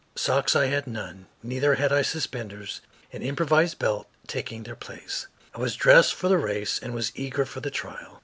Socks I had none; neither had I suspenders, an improvised belt taking their place. I was dressed for the race and was eager for the trial.